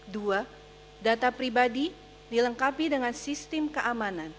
dua data pribadi dilengkapi dengan sistem keamanan